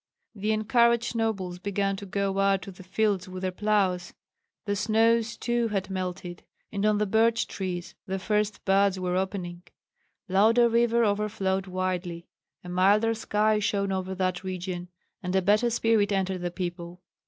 The encouraged nobles began to go out to the fields with their ploughs. The snows too had melted, and on the birch trees the first buds were opening. Lauda River overflowed widely. A milder sky shone over that region, and a better spirit entered the people.